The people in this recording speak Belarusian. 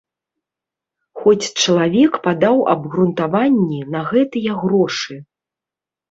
Хоць чалавек падаў абгрунтаванні на гэтыя грошы.